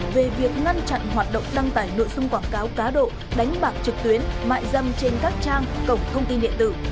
về việc ngăn chặn hoạt động đăng tải nội dung quảng cáo cá độ đánh bạc trực tuyến mại dâm trên các trang cổng thông tin điện tử